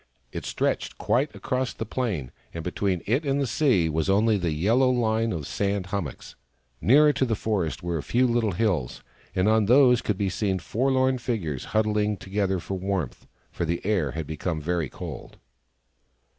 It stretched quite across the plain, and between it and the sea was only the yellow line of the sand hummocks. Nearer to the forest were a few little hills, and on these could be seen forlorn figures, huddling together for warmth — for the air had become very cold.